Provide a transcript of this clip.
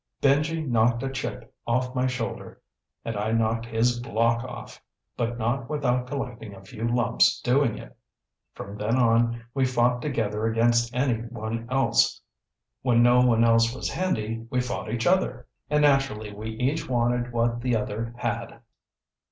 Benji knocked a chip off my shoulder and I knocked his block off, but not without collecting a few lumps doing it. From then on, we fought together against anyone else. When no one else was handy, we fought each other. And naturally we each wanted what the other had.